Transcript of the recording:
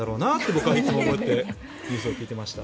僕はいつも思ってニュースを聞いていました。